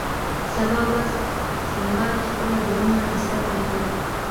سبا ورځ سنباد خپله دوهمه کیسه پیل کړه.